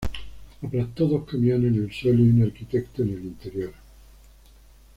Aplastó dos camiones en el suelo y un arquitecto en el interior.